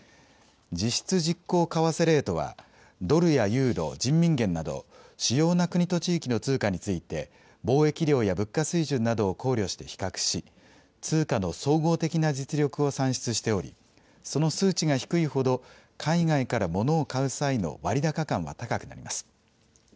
実質実効為替レートは、ドルやユーロ、人民元など、主要な国と地域の通貨について、貿易量や物価水準などを考慮して比較し、通貨の総合的な実力を算出しており、その数値が低いほど、海外からモノを買う際の割高感は高くなります。